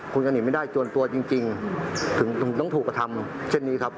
คุณก็หนีไม่ได้ส่วนตัวจริงถึงต้องถูกกระทำเช่นนี้ครับ